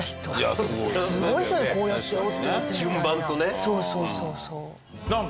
そうそうそうそう。